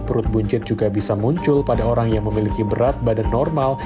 perut buncit juga bisa muncul pada orang yang memiliki berat badan normal